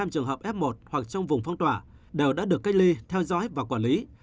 một mươi trường hợp f một hoặc trong vùng phong tỏa đều đã được cách ly theo dõi và quản lý